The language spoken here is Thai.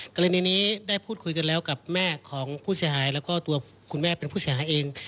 กรณีนี้ได้พูดคุยกันแล้วกับแม่ของผู้เสียหายแล้วก็ตัวคุณแม่เป็นผู้เสียหายเอง